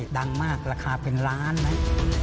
ดังมากราคาเป็นล้านไหม